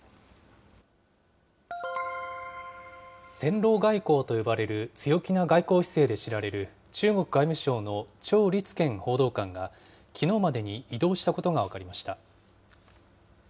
戦狼外交と呼ばれる強気な外交姿勢で知られる、中国外務省の趙立堅報道官が、きのうまでに異動したことが分かりました。